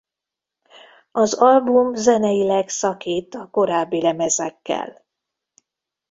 Az album zeneileg szakít a korábbi lemezekkel.